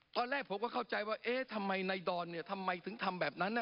ตอนแรกผมก็เข้าใจว่าเอ๊ะทำไมนายดอนเนี่ยทำไมถึงทำแบบนั้น